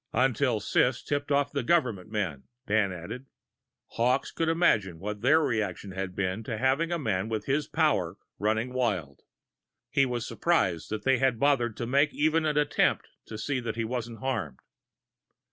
"Until Sis tipped off the Government men," Dan added. Hawkes could imagine what their reaction had been to having a man with his power running wild. He was surprised that they had bothered to make even an attempt to see that he wasn't harmed.